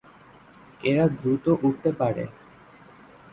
এরা দ্রুত উড়তে পারে।